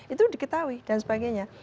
itu diketahui dan sebagainya